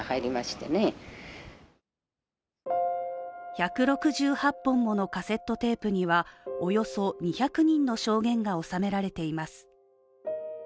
１６８本ものカセットテープには、およそ２００人の証言が収められています。